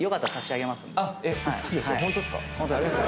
ホントです。